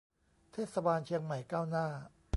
เทศบาลเชียงใหม่ก้าวหน้า